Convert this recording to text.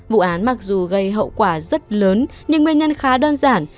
vụ án mặc dù gây hậu quả rất lớn nhưng nguyên nhân khá đơn giản